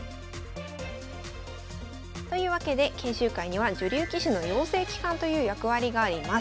というわけで研修会には女流棋士の養成機関という役割があります。